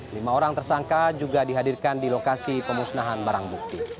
lima orang tersangka juga dihadirkan di lokasi pemusnahan barang bukti